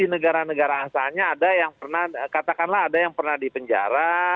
negara negara asalnya ada yang pernah katakanlah ada yang pernah dipenjara